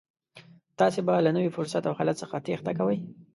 تاسې به له نوي فرصت او حالت څخه تېښته کوئ.